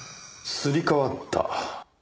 すり替わった？